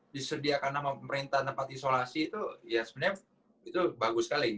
disediakan sama pemerintah tempat isolasi itu ya sebenarnya itu bagus sekali